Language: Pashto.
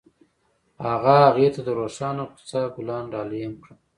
هغه هغې ته د روښانه کوڅه ګلان ډالۍ هم کړل.